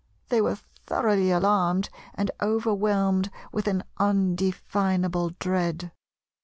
They were thoroughly alarmed, and overwhelmed with an undefinable dread."